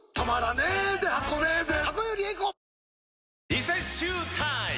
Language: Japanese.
リセッシュータイム！